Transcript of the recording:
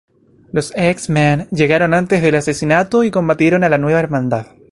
Los X-Men llegaron antes del asesinato y combatieron a la nueva Hermandad.